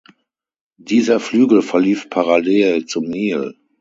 Dieser Flügel verlief parallel zum Nil.